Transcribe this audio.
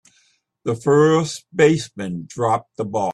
The first baseman dropped the ball.